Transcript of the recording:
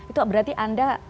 itu berarti anda